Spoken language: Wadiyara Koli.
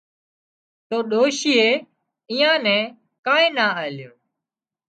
تو ڏوشيئي ايئان نين ڪانئين نا آليون